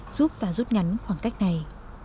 giúp ta rút ngắn khoảng cách này